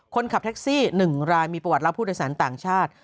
คนขับแท็กซี่๑รายมีประวัติรับผู้โดยสารต่างชาติ